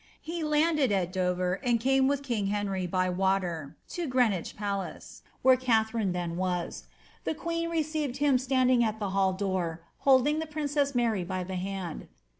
He landed at Dover, and came with king Henry, by water, to Green wich Palace, where Katharine then was. The queen received him standing at the hall door, holding the princess Mary by the hand.